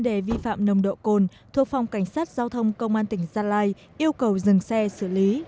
đề vi phạm nồng độ cồn thuộc phòng cảnh sát giao thông công an tỉnh gia lai yêu cầu dừng xe xử lý